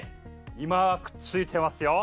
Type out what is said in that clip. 今はくっついてますよ。